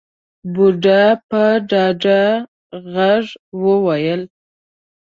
بوډا په ډاډه غږ وويل.